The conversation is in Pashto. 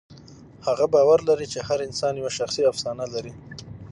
هغه باور لري چې هر انسان یوه شخصي افسانه لري.